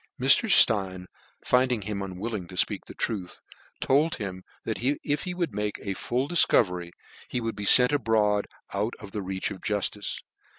Mi . St in, finding him unwilling to fpcak the truth, told him that if he would make a full dif covery, he (hould be lent abroad, out of the roach of jutfice.